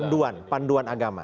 panduan panduan agama